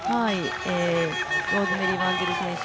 ローズメリー・ワンジル選手